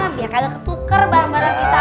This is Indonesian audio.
biar kalian ketukar barang barang kita